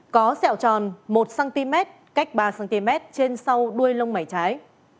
có xẹo chòn một cm cách ba cm trên sau đuôi lông mái trái